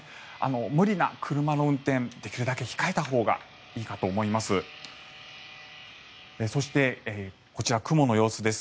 無理な車の運転できるだけ控えたほうがいいかと思います。